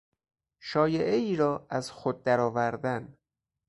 شایعهای را از خود درآوردن